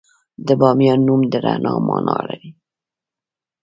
د بامیان نوم د رڼا مانا لري